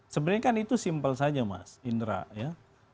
sebenarnya kan itu simpel saja mas indra ya